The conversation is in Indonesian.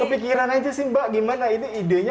kepikiran aja sih mbak gimana ini idenya